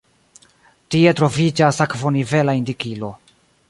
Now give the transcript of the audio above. Tie troviĝas akvonivela indikilo.